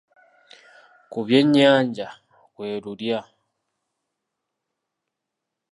Ku byennyanja kwe lulya.